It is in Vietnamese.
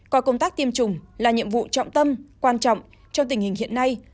coi công tác tiêm chủng là nhiệm vụ trọng tâm quan trọng trong tình hình hiện nay